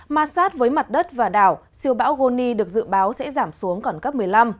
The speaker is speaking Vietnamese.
ma sát với mặt đất và đảo siêu bão goni được dự báo sẽ giảm xuống còn cấp một mươi năm